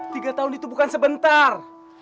tiga tahun itu bukan sebentar